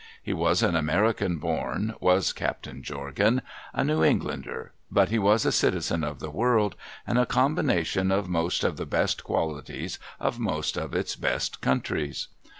He was an American born, was Captain Jorgan, — a New Englander, — but he was a citizen of the world, and a coml)ination of most of the best qualities of most of its best countries.